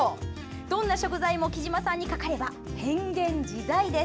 どんな食材もきじまさんにかかれば変幻自在。